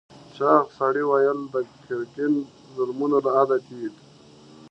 چاغ سړي وویل د ګرګین ظلمونه له حده تېر دي.